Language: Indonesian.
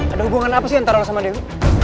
ada hubungan apa sih antara sama dewi